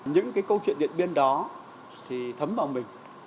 những cái câu chuyện điện biên đó thì thấm vào mình